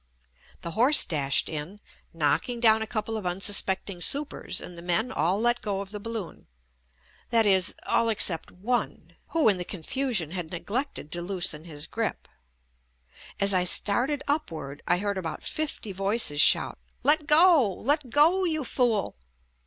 The horse dashed in, knock ing down a couple of unsuspecting supers and the men all let go of the balloon — that is, all ex cept one, who in the confusion had neglected to loosen his grip. As I started upward I heard about fifty voices shout, "Let go ! Let go, you fool!"